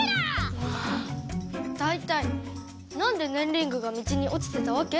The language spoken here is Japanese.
だいたいなんでねんリングが道におちてたわけ？